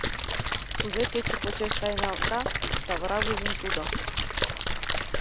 Кузе кече почеш тайналта, савыра вуйжым тудо